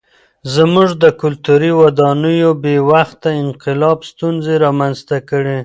زموږ د کلتوري ودانیو بې وخته انقلاب ستونزې رامنځته کړې.